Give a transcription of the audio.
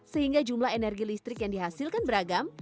sehingga jumlah energi listrik yang dihasilkan beragam